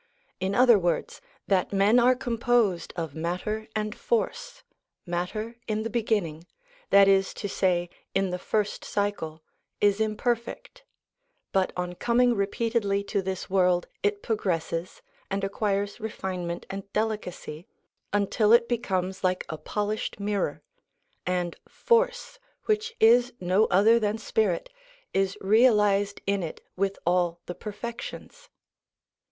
In other words, that men are composed of matter and force; matter in the beginning, that is to say in the first cycle, is imperfect, but on coming repeatedly to this world it progresses, and acquires refinement and delicacy, until it becomes like a polished mirror ; and force, which is no other than spirit, is realised in it with all the perfections.